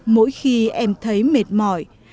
mỗi khi em thấy mệt mỏi